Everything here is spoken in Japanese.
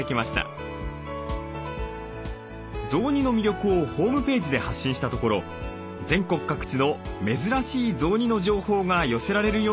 雑煮の魅力をホームページで発信したところ全国各地の珍しい雑煮の情報が寄せられるようにもなりました。